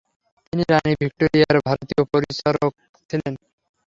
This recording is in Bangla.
তিনি রানী ভিক্টোরিয়ার ভারতীয় পরিচারক ছিলেন।